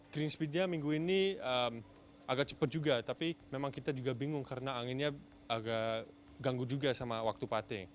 green speednya minggu ini agak cepat juga tapi memang kita juga bingung karena anginnya agak ganggu juga sama waktu pate